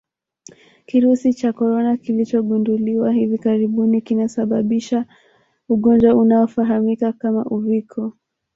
Kirusi cha Corona kilichogundulika hivi karibuni kinasababisha ugonjwa unaofahamika kama Uviko